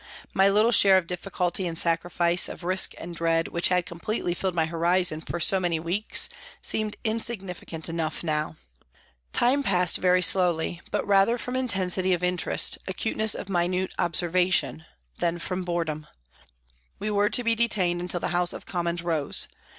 My little share of difficulty and sacrifice, of risk and dread, which had completely filled my horizon for so many weeks, seemed insignificant enough now. Time passed very slowly, but rather E2 52 PRISONS AND PRISONERS from intensity of interest, acuteness of minute observation, than from boredom. We were to be detained until the House of Commons rose.